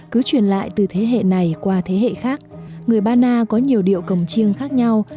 cứ truyền lại từ thế hệ này qua thế hệ khác người ba na có nhiều điệu cổng chiêng khác nhau